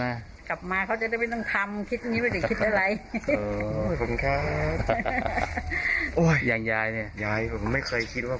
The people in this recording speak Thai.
แล้วอีกอย่างมันอยู่ฝากเขาจะมา